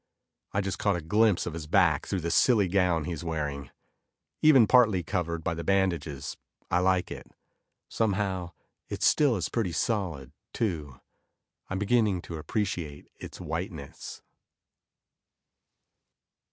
I just caught a glimpse of his back through the silly gown he's wearing. Even partly covered by the bandages, I like it. Somehow, it still is pretty solid too, I'm beginning to appreciate its whiteness.